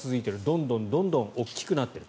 どんどん大きくなっている。